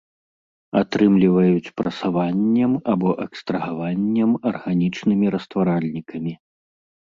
Атрымліваюць прасаваннем або экстрагаваннем арганічнымі растваральнікамі.